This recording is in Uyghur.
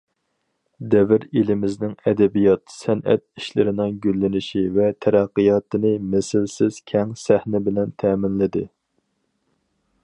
دەۋر ئېلىمىزنىڭ ئەدەبىيات- سەنئەت ئىشلىرىنىڭ گۈللىنىشى ۋە تەرەققىياتىنى مىسلىسىز كەڭ سەھنە بىلەن تەمىنلىدى.